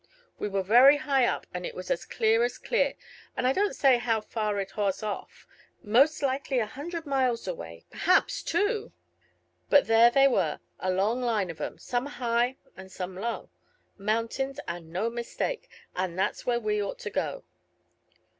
We were very high up, it was as clear as clear, and I don't say how far it was off; most likely a hundred miles away, perhaps two; but there they were, a long line of 'em, some high and some low. Mountains, and no mistake, and that's where we ought to go."